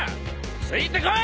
ついてこい！